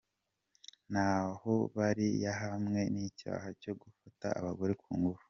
Ntahobali yahamwe n’icyaha cyo gufata abagore ku ngufu.